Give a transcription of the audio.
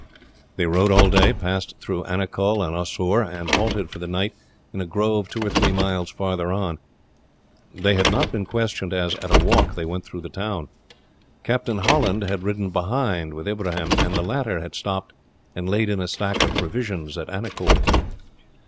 They rode all day, passed through Anicull and Oussoor, and halted for the night in a grove two or three miles farther on. They had not been questioned as, at a walk, they went through the town. Captain Holland had ridden behind with Ibrahim, and the latter had stopped and laid in a stock of provisions at Anicull.